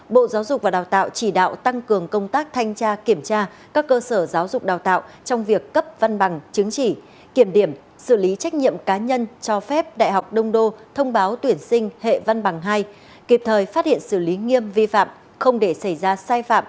bộ giáo dục và đào tạo chỉ đạo tăng cường công tác thanh tra kiểm tra các cơ sở giáo dục đào tạo trong việc cấp văn bằng chứng chỉ kiểm điểm xử lý trách nhiệm cá nhân cho phép đông đô thông báo tuyển sinh hệ văn bằng không để xảy ra sai phạm không để xảy ra sai phạm